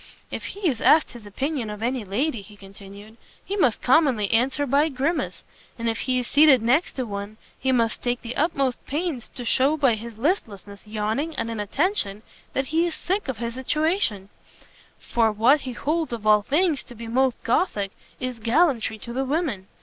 "If he is asked his opinion of any lady," he continued, "he must commonly answer by a grimace; and if he is seated next to one, he must take the utmost pains to shew by his listlessness, yawning, and inattention, that he is sick of his situation; for what he holds of all things to be most gothic, is gallantry to the women.